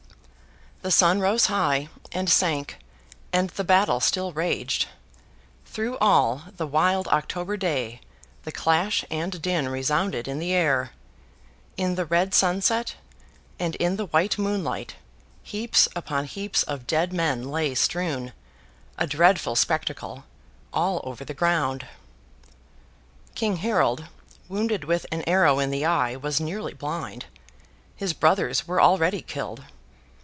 The sun rose high, and sank, and the battle still raged. Through all the wild October day, the clash and din resounded in the air. In the red sunset, and in the white moonlight, heaps upon heaps of dead men lay strewn, a dreadful spectacle, all over the ground. King Harold, wounded with an arrow in the eye, was nearly blind. His brothers were already killed.